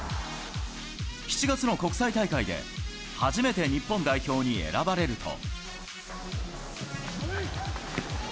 ７月の国際大会で初めて日本代表に選ばれると。